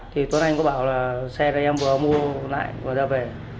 thì tuấn anh có bảo là xe các em vừa mua lại và ra về